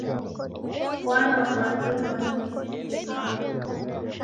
Kufwanwa kwake kwamnona.